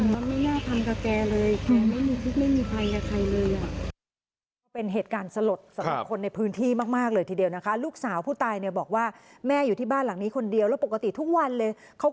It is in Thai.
เวลาคนไม่มีเงินก็หน้ามุดเลยเนอะ